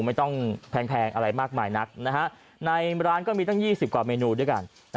ไม่ต้องแพงอะไรมากมายนักในร้านก็มีตั้ง๒๐กว่าเมนูด้วยกัน